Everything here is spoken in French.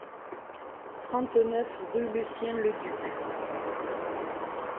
trente-neuf rue Lucien Leducq